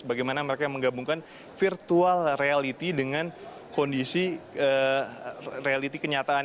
bagaimana mereka menggabungkan virtual reality dengan kondisi reality kenyataan